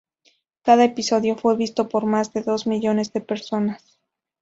Cada episodio fue visto por más de dos millones de personas.